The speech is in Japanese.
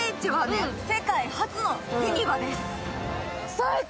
最高！